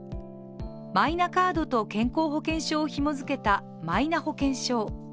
マイナカードと健康保険証をひもづけたマイナ保険証。